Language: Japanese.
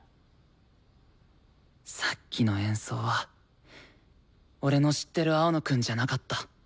さっきの演奏は俺の知ってる青野くんじゃなかった。